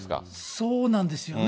そうなんですよね。